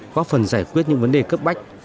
góp phần giải quyết những vấn đề cấp bách